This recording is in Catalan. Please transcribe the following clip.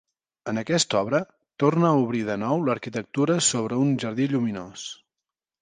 En aquesta obra, torna a obrir de nou l'arquitectura sobre un jardí lluminós.